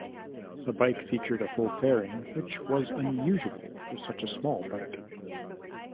The bike featured a full fairing which was unusual for such a small bike.